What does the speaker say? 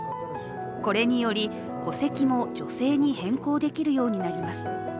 これにより戸籍も女性に変更できるようになります。